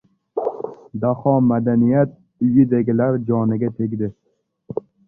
Daho madaniyat uyidagilar joniga tegdi.